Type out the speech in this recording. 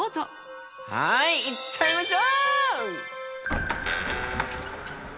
はい行っちゃいましょう！